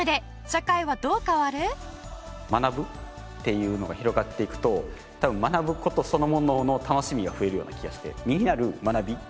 学ぶっていうのが広がっていくと多分学ぶ事そのものの楽しみが増えるような気がして。